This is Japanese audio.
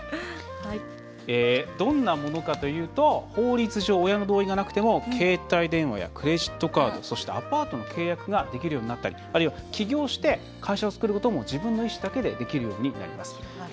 どんなものかというと法律上、親の同意がなくても携帯電話やクレジットカードそして、アパートの契約ができるようになったりあるいは、起業して会社を作ることも自分の意思だけでできるようになります。